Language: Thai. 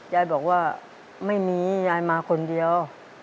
ยายบอกว่าไม่มียายมาคนเดียว